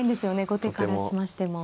後手からしましても。